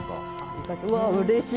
うれしい！